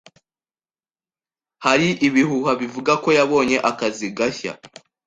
Hari ibihuha bivuga ko yabonye akazi gashya.